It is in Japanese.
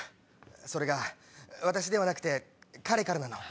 それが私ではなくて彼からなの。